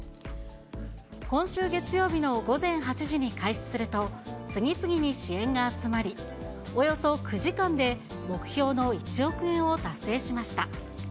今週月曜日の午前８時に開始すると、次々に支援が集まり、およそ９時間で目標の１億円を達成しました。